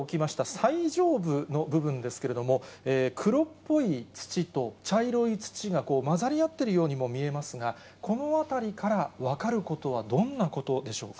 最上部の部分ですけれども、黒っぽい土と茶色い土が混ざり合っているようにも見えますが、このあたりから分かることはどんなことでしょうか。